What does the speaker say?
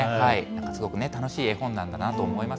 すごく楽しい絵本なんだなと思います。